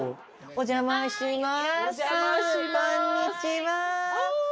お邪魔します。